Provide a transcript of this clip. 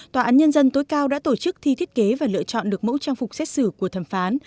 tòa án nhân dân tối cao đã tổ chức thi thiết kế và lựa chọn được mẫu trang phục xét xử của thẩm phán